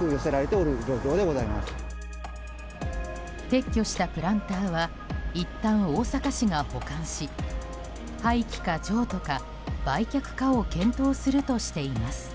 撤去したプランターはいったん大阪市が保管し廃棄か譲渡か売却かを検討するとしています。